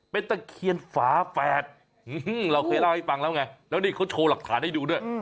เป็นตะเคียนฝาแฝดเราเคยเล่าให้ฟังแล้วไงแล้วนี่เขาโชว์หลักฐานให้ดูด้วย